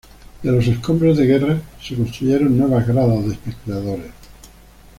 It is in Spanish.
De los escombros de guerra se construyeron nuevas gradas de espectadores.